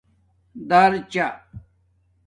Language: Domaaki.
دَرچہ